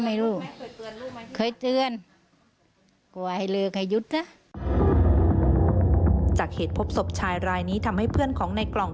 ภาพสุดท้ายของเพื่อนของเขาต้องใช้ในกล่องเพื่อนของเขาอย่างแน่นอน